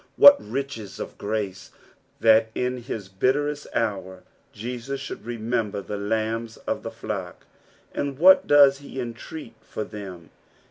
What riches of grace, that in his itterest hour Jesus should remember the lambs of the flock ! And what does he entreat for them